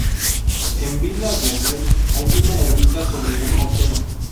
En Vila de Rei hay una ermita sobre un otero.